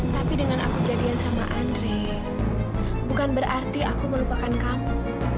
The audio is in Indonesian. tapi dengan accidentally akukuppan mereka bukan berarti aku melupakan kamu